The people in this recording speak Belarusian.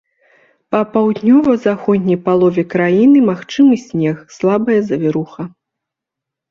Па паўднёва-заходняй палове краіны магчымы снег, слабая завіруха.